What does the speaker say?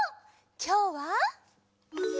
きょうは。